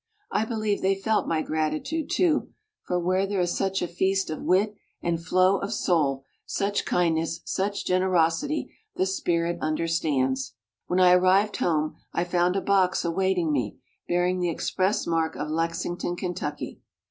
I believe they felt my gratitude, too, for where there is such a feast of wit and flow of soul, such kindness, such generosity, the spirit understands. When I arrived home I found a box awaiting me, bearing the express mark of Lexington, Kentucky.